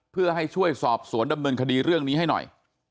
เพื่อให้ช่วยสอบสวนดำเนินคดีเรื่องนี้ให้หน่อย